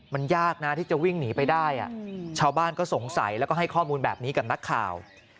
มันยากนะที่จะวิ่งหนีไปได้ชาวบ้านก็สงสัยแล้วก็ให้ข้อมูลแบบนี้กับนักข่าว